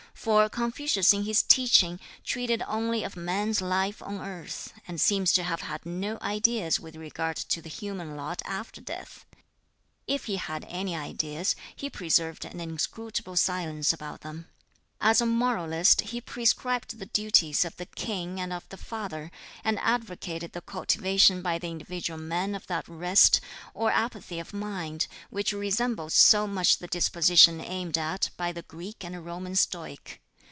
For Confucius in his teaching treated only of man's life on earth, and seems to have had no ideas with regard to the human lot after death; if he had any ideas he preserved an inscrutable silence about them. As a moralist he prescribed the duties of the king and of the father, and advocated the cultivation by the individual man of that rest or apathy of mind which resembles so much the disposition aimed at by the Greek and Roman Stoic.